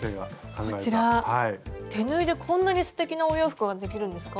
手縫いでこんなにすてきなお洋服ができるんですか？